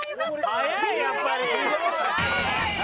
速いやっぱり。